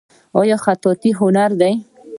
آیا خطاطي هنر دی؟